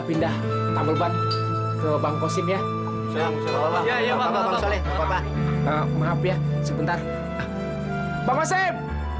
pindah tambel ban ke banko sini ya ya ya ya maaf ya sebentar banget